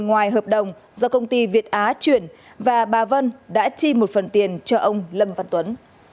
ngoài hợp đồng do công ty việt á chuyển và bà vân đã chi một phần tiền cho ông lâm văn tuấn